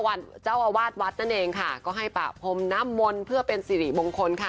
เจ้าอาวาสวัดนั่นเองค่ะก็ให้ปะพรมน้ำมนต์เพื่อเป็นสิริมงคลค่ะ